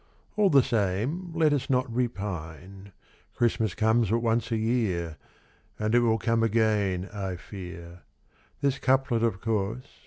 All the same, Let us not repine: Christmas comes but once a year, And it will come again, I fear. This couplet, of course.